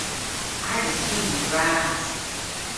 Agas ki yw bras.